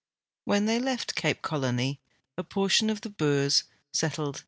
When they left Cape Colony a portion of the Boers settled in NAT.